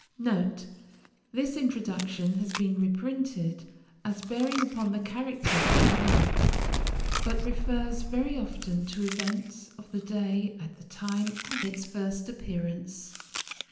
[This Introduction has been reprinted as bearing upon the character of the work, but refers very often to events of the day at the time of its first appearance.